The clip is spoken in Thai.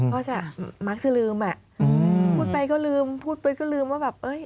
ก็จะมักจะลืมอ่ะพูดไปก็ลืมพูดไปก็ลืมว่าแบบเอ้ย